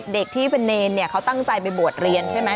เด็กที่เป็นเนรเนี่ยเขาตั้งใจไปบวชเรียนใช่ไหม